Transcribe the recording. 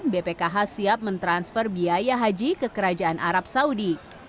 bpkh siap mentransfer biaya haji ke kerajaan arab saudi